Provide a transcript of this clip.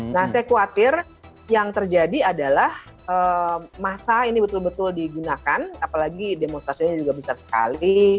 nah saya khawatir yang terjadi adalah masa ini betul betul digunakan apalagi demonstrasinya juga besar sekali